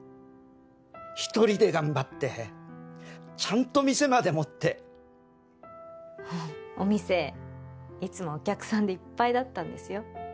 一人で頑張ってちゃんと店まで持ってお店いつもお客さんでいっぱいだったんですよ